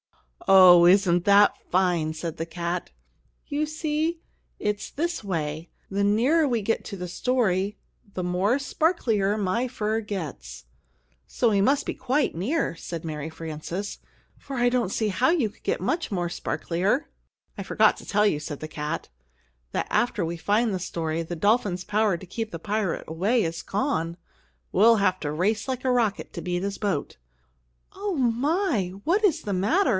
"Oh, isn't that fine!" said the cat. "You see, it's this way the nearer we get to the story, the more sparklier my fur gets." "So we must be quite near," said Mary Frances; "for I don't see how you could get much more sparklier." "I forgot to tell you," said the cat, "that after we find the story, the dolphin's power to keep the pirate away is gone. We'll have to race like a rocket to beat his boat." "Oh, my, what is the matter!"